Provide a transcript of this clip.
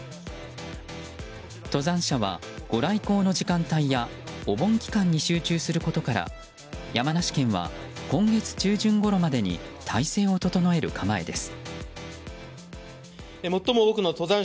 登山者は、ご来光の時間帯やお盆期間に集中することから山梨県は今月中旬ごろまでに体制を整える構えです。